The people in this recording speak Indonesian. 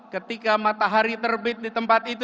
ketika matahari terbit di tempat itu